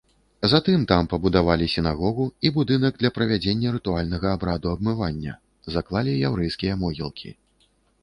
Затым там пабудавалі сінагогу і будынак для правядзення рытуальнага абраду абмывання, заклалі яўрэйскія могілкі.